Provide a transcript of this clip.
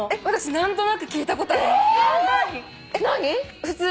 私何となく聞いたことあります。